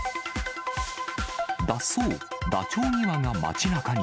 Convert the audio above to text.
脱走、ダチョウ２羽が街なかに。